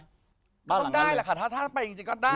เดี๋ยวมึงได้แหละค่ะถ้าไปจริงก็ได้ค่ะ